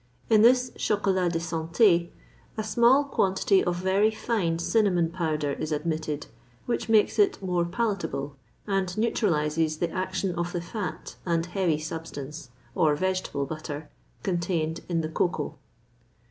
In this chocolat de santé a small quantity of very fine cinnamon powder is admitted, which makes it more palatable, and neutralizes the action of the fat and heavy substance, or vegetable butter, contained in the cocoa.